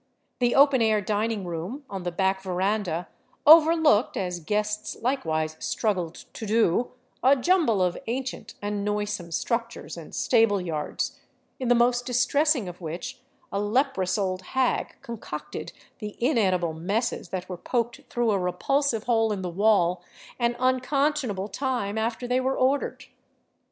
The open air " dining room " on the back veranda overlooked — as guests likewise struggled to do — a jumble of ancient and noisome structures and stable yards, in the most distressing of which a leprous old hag concocted the in edible messes that were poked through a repulsive hole in the wall an unconscionable time after they were ordered.